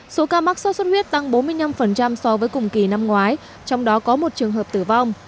số ca mắc sốt xuất huyết tăng bốn mươi năm so với cùng kỳ năm ngoái trong đó có một trường hợp tử vong